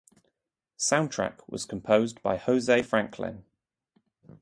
Soundtrack was composed by Jose Franklin.